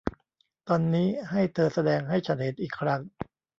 ตอนนี้ให้เธอแสดงให้ฉันเห็นอีกครั้ง